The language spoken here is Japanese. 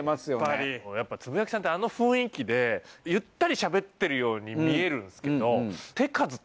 つぶやきさんってあの雰囲気でゆったりしゃべってるように見えるんですけど。